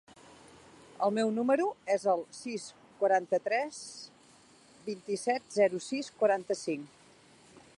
El meu número es el sis, quaranta-tres, vint-i-set, zero, sis, quaranta-cinc.